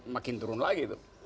makin turun lagi itu